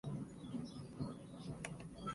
Atsushi Inoue